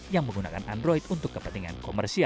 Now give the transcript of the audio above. yang menggunakan android untuk kepentingan komersial